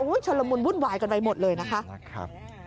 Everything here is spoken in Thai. ชนละมุนวุ่นวายกันไปหมดเลยนะคะ